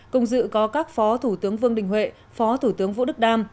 cùng dự có các phó thủ tướng vương đình huệ phó thủ tướng vũ đức đam